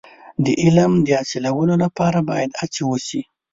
د علم د حاصلولو لپاره باید هڅې وشي.